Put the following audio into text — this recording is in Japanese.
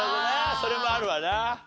それもあるわな。